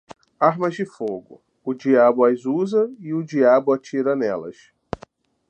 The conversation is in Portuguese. Armas de fogo, o diabo as usa e o diabo atira nelas.